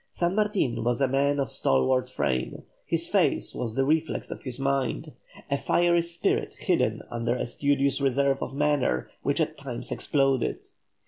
San Martin was a man of stalwart frame; his face was the reflex of his mind, a fiery spirit hidden under a studious reserve of manner, which at times exploded.